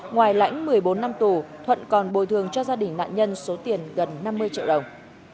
ngoài lãnh một mươi bốn năm tù thuận còn bồi thường cho gia đình nạn nhân số tiền gần năm mươi triệu đồng